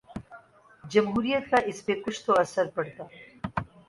جمہوریت کا اس پہ کچھ تو اثر پڑتا۔